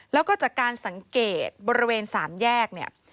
แล้วก็จากการสังเกตบริเวณสามแยก